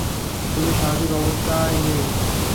শুটু স্বাভাবিক অবস্থায় নেই।